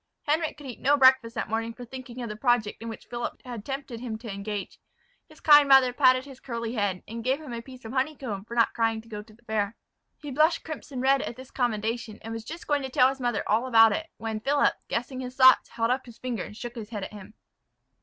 Henric could eat no breakfast that morning for thinking of the project in which Philip had tempted him to engage. His kind mother patted his curly head, and gave him a piece of honeycomb for not crying to go to the fair. He blushed crimson red at this commendation, and was just going to tell his mother all about it, when Philip, guessing his thoughts, held up his finger, and shook his head at him.